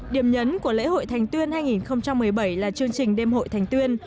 điểm nhấn của lễ hội thành tuyên hai nghìn một mươi bảy là chương trình đêm hội thành tuyên